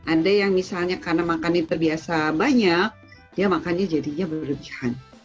ada yang misalnya karena makannya terbiasa banyak dia makannya jadinya berlebihan